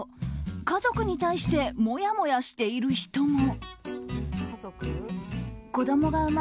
家族に対してもやもやしている人も。